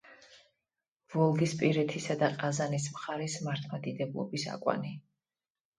ვოლგისპირეთისა და ყაზანის მხარის მართლმადიდებლობის აკვანი.